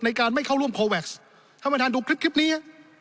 ในการไม่เข้าร่วมโคแว็กซ์ท่านประธานดูคลิปคลิปนี้ฮะ